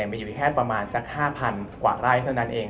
มีอยู่แค่ประมาณสัก๕๐๐กว่าไร่เท่านั้นเอง